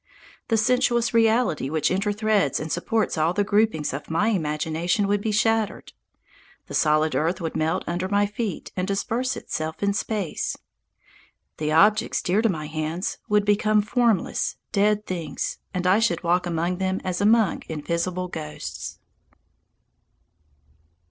The sensuous reality which interthreads and supports all the gropings of my imagination would be shattered. The solid earth would melt from under my feet and disperse itself in space. The objects dear to my hands would become formless, dead things, and I should walk among them as among invisible ghosts.